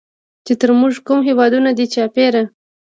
چې تر مونږ کوم هېوادونه دي چاپېره